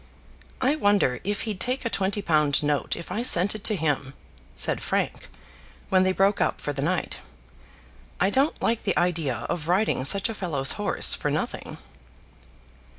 "I wonder if he'd take a twenty pound note if I sent it to him," said Frank, when they broke up for the night. "I don't like the idea of riding such a fellow's horse for nothing."